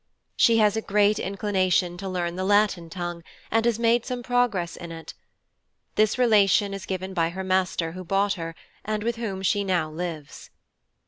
She has a great Inclination to learn the Latin Tongue, and has made some Progress in it. This Relation is given by her Master who bought her, and with whom she now lives.